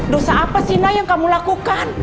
dosa apa sih nak yang kamu lakukan